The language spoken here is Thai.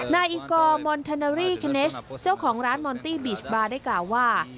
นายอิกอร์มอนเทนารี่เคเนชเจ้าของร้านมอนตี้บีชบาได้กล่าวว่า